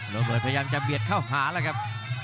โรเบิร์ตพยายามจะเบียดเข้าหาแล้วครับ